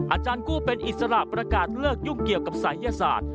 อาจารย์กู้เป็นอิสระประกาศเลิกยุ่งเกี่ยวกับศัยยศาสตร์